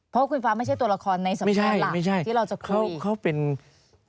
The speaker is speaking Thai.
เพราะคุณฟ้าไม่ใช่ตัวละครในสมบัติหลักที่เราจะคุย